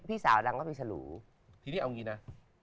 ทีนี้เอาอย่างงี้นะ